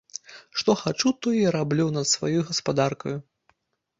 Што хачу, тое і раблю над сваёй гаспадаркаю!